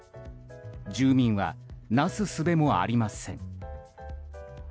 住民は、なすすべもありません。